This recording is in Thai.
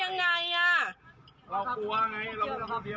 เรากลัวไงเรากลัวแบบนี้